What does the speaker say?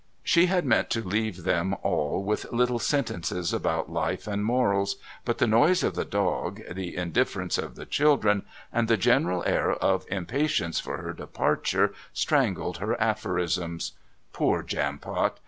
She had meant to leave them all with little sentences about life and morals; but the noise of the dog, the indifference of the children, and the general air of impatience for her departure strangled her aphorisms. Poor Jampot!